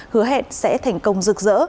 hứa hẹn sẽ thành công rực rỡ